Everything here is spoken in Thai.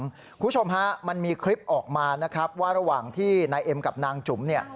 คุณผู้ชมฮะมันมีคลิปออกมานะครับว่าระหว่างที่นายเอ็มกับนางจุ๋มเนี่ย